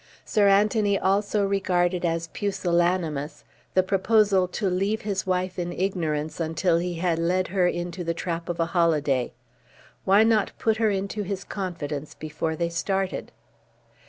Sir Anthony also regarded as pusillanimous the proposal to leave his wife in ignorance until he had led her into the trap of holiday. Why not put her into his confidence before they started?